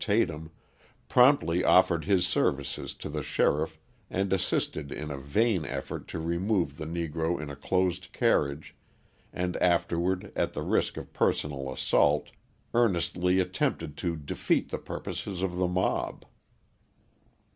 Tatum, promptly offered his services to the sheriff and assisted in a vain effort to remove the Negro in a closed carriage and afterward at the risk of personal assault earnestly attempted to defeat the purposes of the mob.